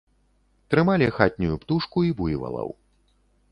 Трымалі хатнюю птушку і буйвалаў.